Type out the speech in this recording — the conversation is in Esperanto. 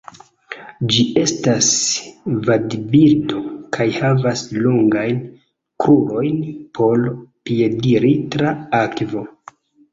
Ĝi estas vadbirdo kaj havas longajn krurojn por piediri tra akvo.